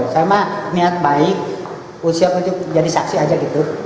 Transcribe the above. saya mah niat baik usia jadi saksi aja gitu